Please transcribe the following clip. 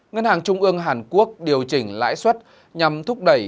ngân hàng trung ương hàn quốc điều chỉnh lãi suất nhằm thúc đẩy